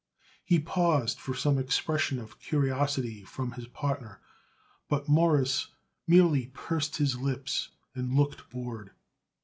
He paused for some expression of curiosity from his partner, but Mawruss merely pursed his lips and looked bored.